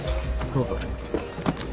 どうぞ。